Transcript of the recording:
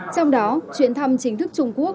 trong đó chuyến thăm chính thức trung quốc